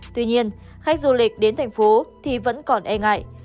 tuy nhiên khách du lịch đến tp hcm thì vẫn còn e ngại